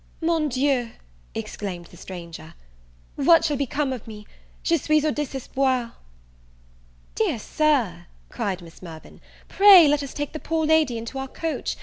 "Mon Dieu!" exclaimed the stranger, "what shall become of me? Je suis au desespoir!" "Dear Sir," cried Miss Mirvan, "pray let us take the poor lady into our coach.